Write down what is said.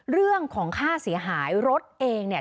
เรื่องของค่าเสียหายรถเองเนี่ย